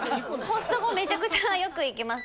コストコめちゃくちゃよく行きます。